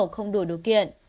không đủ điều kiện